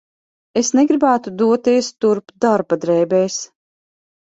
Es negribētu doties turp darba drēbēs.